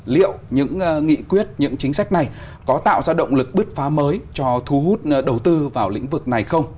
liệu những nghị quyết những chính sách này có tạo ra động lực bứt phá mới cho thu hút đầu tư vào lĩnh vực này không